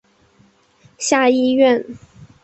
下议院。